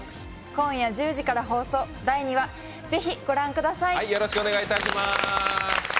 今夜１０時から放送、第２話、ぜひ御覧ください。